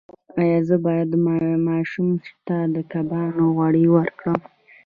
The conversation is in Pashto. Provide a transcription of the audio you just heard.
ایا زه باید ماشوم ته د کبانو غوړي ورکړم؟